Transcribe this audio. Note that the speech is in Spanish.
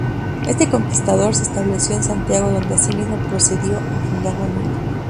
Este conquistador, se estableció en Santiago, donde asimismo procedió a fundar familia.